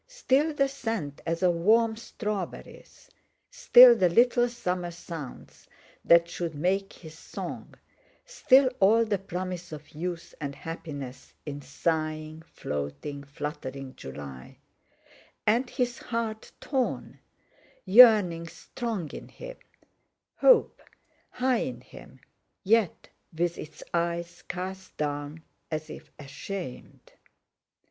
Still the scent as of warm strawberries, still the little summer sounds that should make his song; still all the promise of youth and happiness in sighing, floating, fluttering July—and his heart torn; yearning strong in him; hope high in him yet with its eyes cast down, as if ashamed.